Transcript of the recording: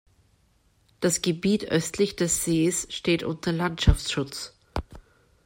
Das Gebiet östlich des Sees steht unter Landschaftsschutz.